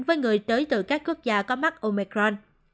với người tới từ các quốc gia có mắc omecron